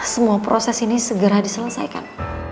semua proses ini segera diselesaikan